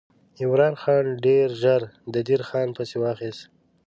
عمرا خان ډېر ژر د دیر خان پسې واخیست.